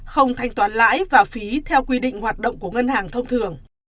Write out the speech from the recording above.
không thanh toán lãi và phí theo quy định hoạt động của ngân hàng thông thường